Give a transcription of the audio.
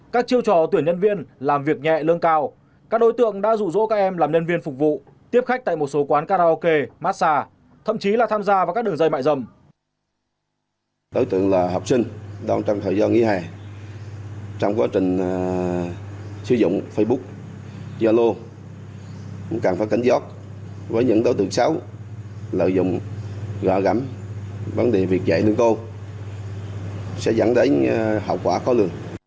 các chiêu trò tuyển nhân viên làm việc nhẹ lương cao các đối tượng đã rủ rỗ các em làm nhân viên phục vụ tiếp khách tại một số quán karaoke massage thậm chí là tham gia vào các đường dây mại dầm